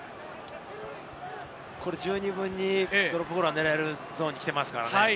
十二分にドロップゴールを狙えるゾーンに来ていますからね。